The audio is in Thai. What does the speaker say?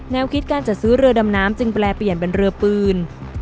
คิดการจัดซื้อเรือดำน้ำจึงแปลเปลี่ยนเป็นเรือปืน